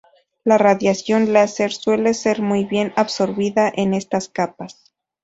La radiación láser suele ser muy bien absorbida por estas capas.